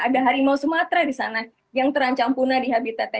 ada harimau sumatera di sana yang terancam punah di habitatnya